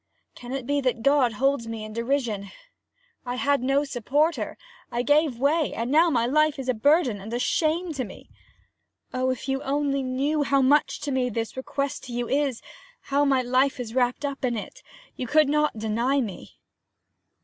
Can it be that God holds me in derision? I had no supporter I gave way; and now my life is a burden and a shame to me ... Oh, if you only knew how much to me this request to you is how my life is wrapped up in it, you could not deny me!'